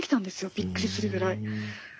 びっくりするぐらい。